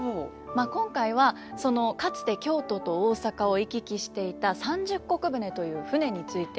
まあ今回はそのかつて京都と大阪を行き来していた三十石船という船について。